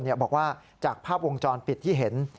บอกว่าจากภาพวงจรปิดที่เห็น